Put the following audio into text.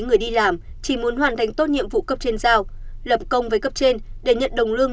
người đi làm chỉ muốn hoàn thành tốt nhiệm vụ cấp trên giao lập công với cấp trên để nhận đồng lương